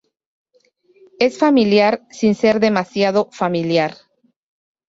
Es familiar, sin ser demasiado familiar".